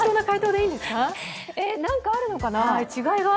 何かあるのかな